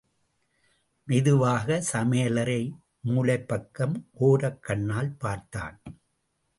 மெதுவாக, சமயலறை மூலைப் பக்கம் ஓரக் கண்ணால் பார்த்தான்.